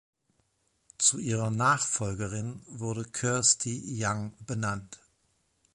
Zu ihrer Nachfolgerin wurde Kirsty Young benannt.